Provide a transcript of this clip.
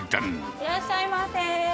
いらっしゃいませー。